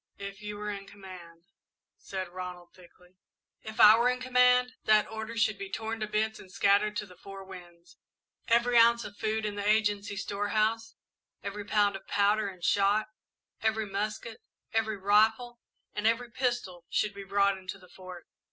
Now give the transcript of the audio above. "If you were in command " said Ronald, thickly. "If I were in command, that order should be torn to bits and scattered to the four winds. Every ounce of food in the Agency storehouse, every pound of powder and shot, every musket, every rifle, and every pistol, should be brought into the Fort.